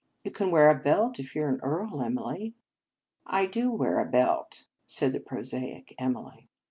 You can wear a belt if you re an earl, Emily." " I do wear a belt," said the prosaic Emily.